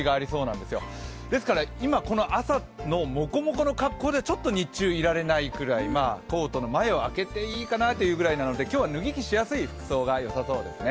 ですから今、朝のもこもこの格好では日中いられないくらいコートの前を開けていいかなというぐらいなので脱ぎ着できる服装がいいですね。